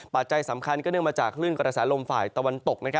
ปัจจัยสำคัญก็เนื่องมาจากคลื่นกระแสลมฝ่ายตะวันตก